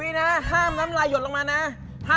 ๓๐วินะห้ามน้ำลายหยดออกมานะ